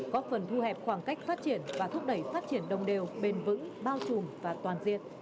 có phần thu hẹp khoảng cách phát triển và thúc đẩy phát triển đồng đều bền vững bao trùm và toàn diện